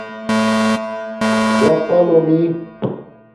ژَآپا لُومی